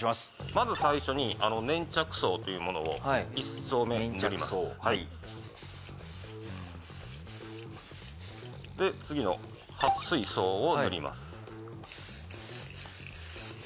まず最初に粘着層というものを一層目に塗りますで次の撥水層を塗ります